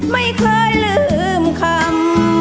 ไม่เคยลืมคำ